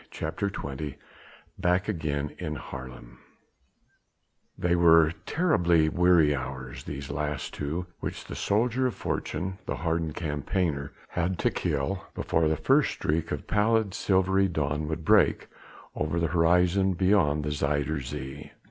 CHAPTER XX BACK AGAIN IN HAARLEM They were terribly weary hours, these last two which the soldier of fortune, the hardened campaigner had to kill before the first streak of pallid, silvery dawn would break over the horizon beyond the Zuyder Zee.